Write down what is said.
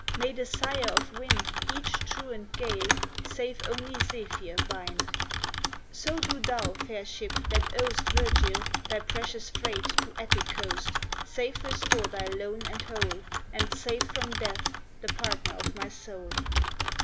May the Sire of wind Each truant gale, save only Zephyr, bind! So do thou, fair ship, that ow'st Virgil, thy precious freight, to Attic coast, Safe restore thy loan and whole, And save from death the partner of my soul!